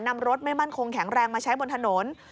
นำรถไม่มั่นคงแข็งแรงมาใช้บนถนน